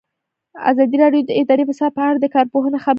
ازادي راډیو د اداري فساد په اړه د کارپوهانو خبرې خپرې کړي.